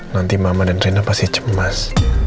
nanti mama dan rina pasti cemas